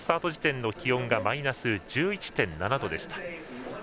スタート時点の気温がマイナス１１．７度でした。